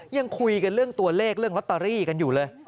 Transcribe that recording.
ยังคุยกันเรื่องตัวเลขเรื่องลอตเตอรี่กันอยู่เลย